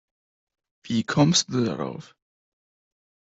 Wie kommst du darauf?